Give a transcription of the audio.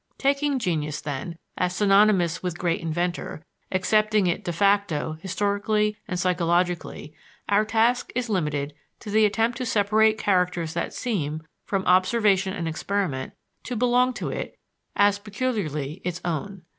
Taking genius, then, as synonymous with great inventor, accepting it de facto historically and psychologically, our task is limited to the attempt to separate characters that seem, from observation and experiment, to belong to it as peculiarly its own.